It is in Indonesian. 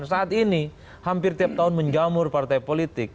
dan saat ini hampir tiap tahun menjamur partai politik